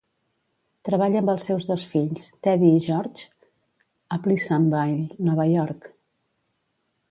Treballa amb els seus dos fills, Teddy i George, a Pleasantville, Nova York.